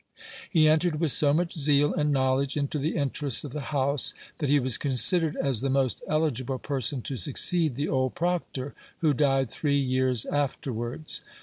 He entered with so much zeal and knowledge into the interests of the house, that he was considered as the most eligible person to succeed the old proctor, who died three years afterwards.